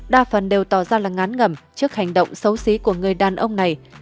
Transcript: đa phần đều tỏ ra là ngán ngẩm trước hành động xấu xích